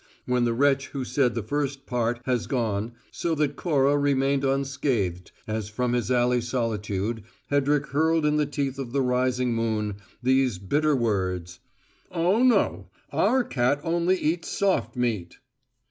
when the wretch who said the first part has gone, so that Cora remained unscathed as from his alley solitude Hedrick hurled in the teeth of the rising moon these bitter words: "Oh, no; our cat only eats soft meat!"